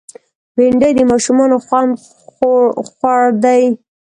بېنډۍ د ماشومانو خوند خوړ دی